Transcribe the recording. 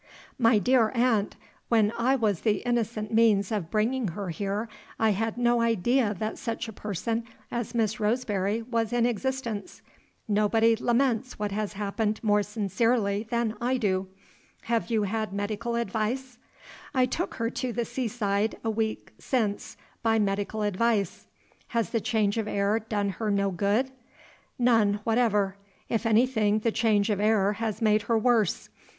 "My dear aunt, when I was the innocent means of bringing her here I had no idea that such a person as Miss Roseberry was in existence. Nobody laments what has happened more sincerely than I do. Have you had medical advice?" "I took her to the sea side a week since by medical advice." "Has the change of air don e her no good?" "None whatever. If anything, the change of air has made her worse.